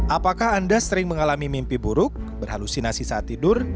apakah anda sering mengalami mimpi buruk berhalusinasi saat tidur